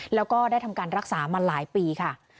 แล้วก็ได้ทำการรักษามาหลายปีค่ะ